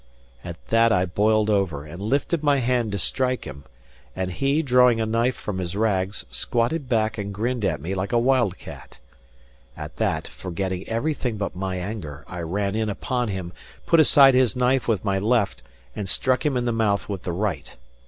At that I boiled over, and lifted my hand to strike him; and he, drawing a knife from his rags, squatted back and grinned at me like a wildcat. At that, forgetting everything but my anger, I ran in upon him, put aside his knife with my left, and struck him in the mouth with the right.